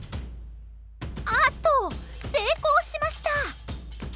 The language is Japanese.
ああっと、成功しました！